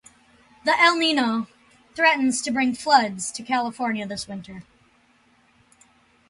The El Nino threatens to bring floods to California this winter.